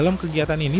dalam kegiatan ini